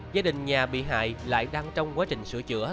gia đình nhà bị hại lại đang trong quá trình sửa chữa